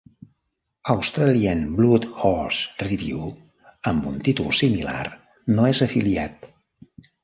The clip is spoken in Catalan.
"Australian Bloodhorse Review", amb un títol similar, no és afiliat.